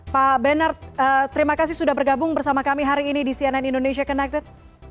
pak bernard terima kasih sudah bergabung bersama kami hari ini di cnn indonesia connected